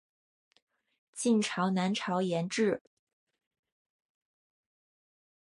晋朝南朝沿置。